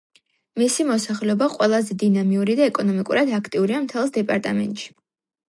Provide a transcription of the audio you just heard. მისი მოსახლეობა ყველაზე დინამიური და ეკონომიკურად აქტიურია მთელს დეპარტამენტში.